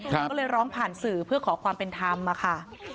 ก็เลยร้องผ่านสื่อเพื่อขอความเป็นธรรมอะค่ะ